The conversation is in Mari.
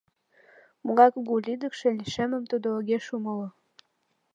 «Могай кугу лӱдыкшӧ лишеммым тудо огеш умыло.